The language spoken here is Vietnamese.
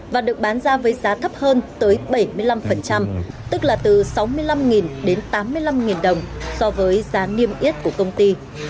và được bán ra với giá thấp hơn tới bảy mươi năm tức là từ sáu mươi năm đến tám mươi năm đồng so với giá niêm yết của công ty